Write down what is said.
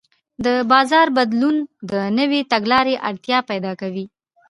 د بازار بدلون د نوې تګلارې اړتیا پیدا کوي.